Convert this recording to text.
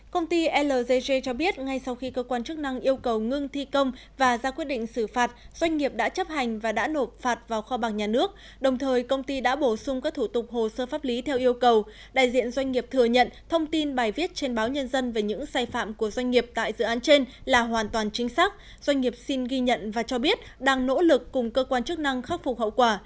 công ty lgg cho biết ngay sau khi cơ quan chức năng yêu cầu ngưng thi công và ra quyết định xử phạt doanh nghiệp đã chấp hành và đã nộp phạt vào kho bằng nhà nước đồng thời công ty đã bổ sung các thủ tục hồ sơ pháp lý theo yêu cầu đại diện doanh nghiệp thừa nhận thông tin bài viết trên báo nhân dân về những sai phạm của doanh nghiệp tại dự án trên là hoàn toàn chính xác doanh nghiệp xin ghi nhận và cho biết đang nỗ lực cùng cơ quan chức năng khắc phục hậu quả